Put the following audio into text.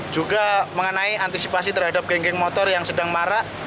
juga mengenai antisipasi terhadap geng geng motor yang sedang marak